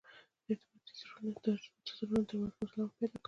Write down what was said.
د ارتباطي درزونو ترمنځ فاصله هم پیدا کوو